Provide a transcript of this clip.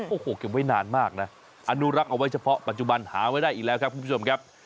โอ้โหเก็บไว้นานมากนะอนุรักษ์เอาไว้เฉพาะปัจจุบันหาไว้ได้อีกแล้วครับคุณผู้ชมครับ